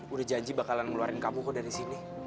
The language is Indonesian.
udah janji bakalan ngeluarin kamu kok dari sini